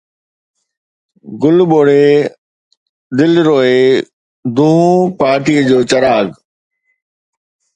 گل ٻوڙي، دل روئي، دونھون پارٽيءَ جو چراغ